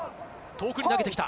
遠くに投げてきた。